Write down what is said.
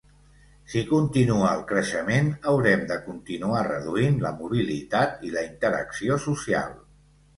Si continua el creixement haurem de continuar reduint la mobilitat i la interacció social.